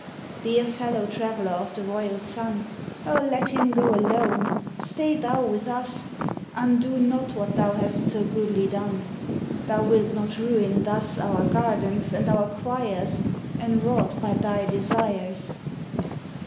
Dear fellow traveller of the royal sun, O let him go alone, stay thou with us, Undo not what thou hast so goodly done. Thou wilt not ruin thus Our gardens and our quires Enwrought by thy desires.